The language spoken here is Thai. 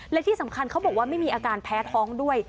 และที่สำคัญเขาบอกว่าไม่มีอาการแพ้ท้องด้วย